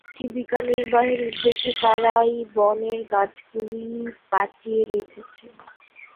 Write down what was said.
জীবিকা নির্বাহের উদ্দেশ্যে তারাই বনের গাছগুলি বাঁচিয়ে রেখেছে।